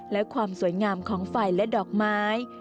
และความสวยงามของไฟและดอกไม้